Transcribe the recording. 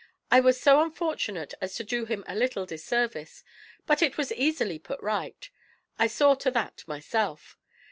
I was so unfortunate as to do him a little disservice, but it was easily put right; I saw to that myself.